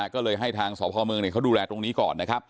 ก็เลยให้ทางสพเมืองเขาดูแลตรงนี้ก่อนนะครับ